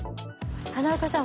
花岡さん